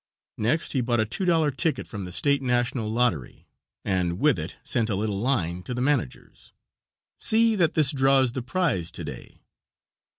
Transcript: Next he bought a $2 ticket from the state national lottery and with it sent a little line to the managers. "See that this draws the prize to day."